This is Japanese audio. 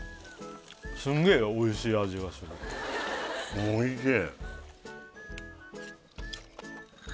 すんげえ美味しい味がする美味しい